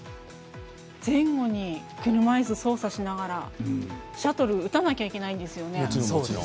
前後に車いす操作しながらシャトル打たなきゃいけないんですよね。